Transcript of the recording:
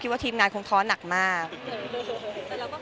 เนื้อหาดีกว่าน่ะเนื้อหาดีกว่าน่ะ